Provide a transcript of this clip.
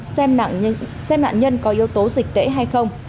xác minh xem nạn nhân có yếu tố dịch tễ hay không